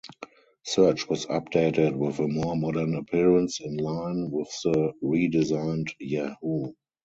Search was updated with a more modern appearance in line with the redesigned Yahoo!